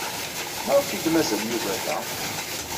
Maɣef ay d-mazal Yuba da?